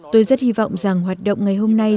tôi rất hy vọng rằng hoạt động ngày hôm nay